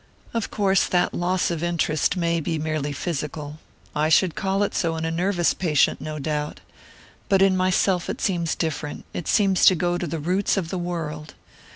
Of course that loss of interest may be merely physical I should call it so in a nervous patient, no doubt. But in myself it seems different it seems to go to the roots of the world.